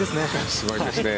すごいですね。